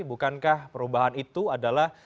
bukankah perubahan itu adalah